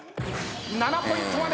７ポイントまで。